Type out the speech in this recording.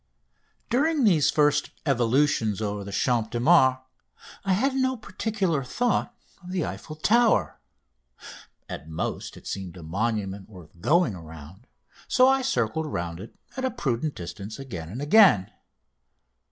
During these first evolutions over the Champ de Mars I had no particular thought of the Eiffel Tower. At most it seemed a monument worth going round, and so I circled round it at a prudent distance again and again.